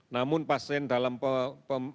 namun pasien dalam pemantauan